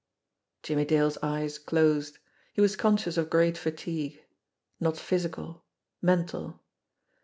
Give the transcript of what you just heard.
Jimmie Dale's eyes closed. He was conscious of great fatigue; not physical mental.